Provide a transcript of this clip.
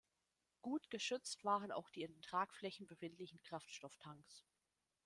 Gut geschützt waren auch die in den Tragflächen befindlichen Kraftstofftanks.